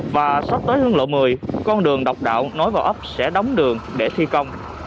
và sắp tới quốc lộ một mươi con đường độc đạo nối vào ấp sẽ đóng đường để thi công